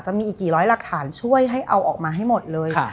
จะมีอีกกี่ร้อยหลักฐานช่วยให้เอาออกมาให้หมดเลย